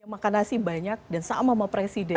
makan nasi banyak dan sama sama presiden